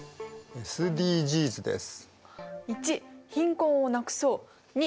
ＳＤＧｓです。